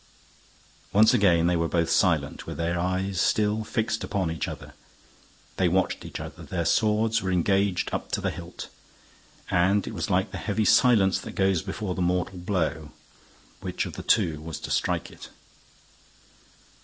Once again, they were both silent, with their eyes still fixed upon each other. They watched each other. Their swords were engaged up to the hilt. And it was like the heavy silence that goes before the mortal blow. Which of the two was to strike it?